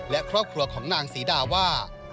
และครอบครัวของนางศรีดาว่า